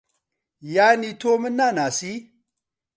یانی تۆ من ناناسی؟